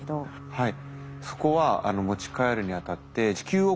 はい。